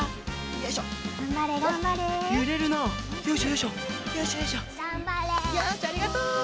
よしありがとう！